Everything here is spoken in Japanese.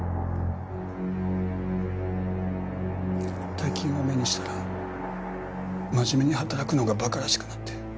大金を目にしたら真面目に働くのが馬鹿らしくなって。